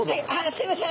すいません。